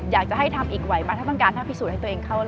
อยากจะให้ทำอีกไหวไหมถ้าต้องการถ้าพิสูจน์ให้ตัวเองเข้า